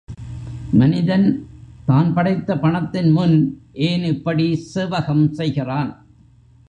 மனிதன் தான் படைத்த பணத்தின் முன் ஏன் இப்படி சேவகம் செய்கிறான்?